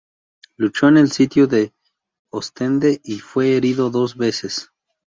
Luchó en el Sitio de Ostende, y fue herido dos veces.